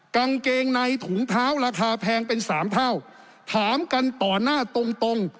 กางเกงในถุงเท้าราคาแพงเป็นสามเท่าถามกันต่อหน้าตรงตรง